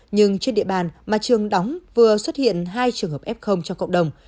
nhưng trên địa bàn mà trường đóng vừa xuất hiện hai trường hợp f cho cộng đồng